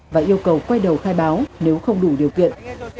và yêu cầu quay đầu khai báo nếu không đủ điều kiện